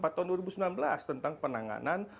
tahun dua ribu sembilan belas tentang penanganan